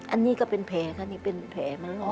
อันนี้ก็เป็นแผ่ค่ะอันนี้เป็นแผ่มัน